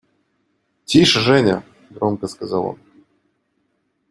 – Тише, Женя! – громко сказал он.